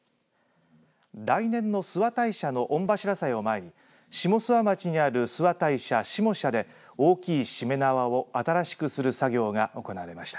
来年の諏訪大社の御柱祭を前に下諏訪町にある諏訪大社下社で大きいしめ縄を新しくする作業が行われました。